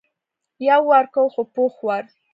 یو وار کوو خو پوخ وار.